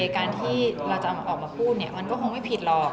การที่เราจะออกมาพูดมันก็คงไม่ผิดหรอก